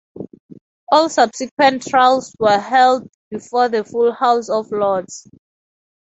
All subsequent trials were held before the full House of Lords.